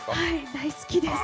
大好きです。